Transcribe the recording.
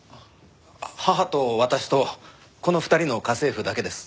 母と私とこの２人の家政婦だけです。